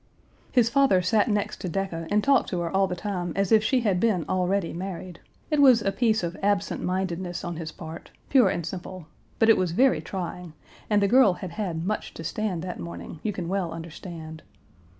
"His father sat next to Decca and talked to her all the time as if she had been already married. It was a piece of absent mindedness on his part, pure and simple, but it was very trying, and the girl had had much to stand that morning, you can well understand.